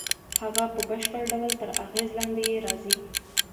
هغه په بشپړ ډول تر اغېز لاندې یې راځي